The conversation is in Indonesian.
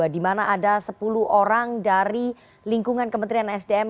di mana ada sepuluh orang dari lingkungan kementerian sdm